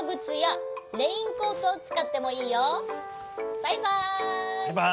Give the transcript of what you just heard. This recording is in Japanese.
バイバイ。